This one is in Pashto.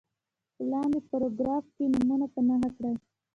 په لاندې پاراګراف کې نومونه په نښه کړي.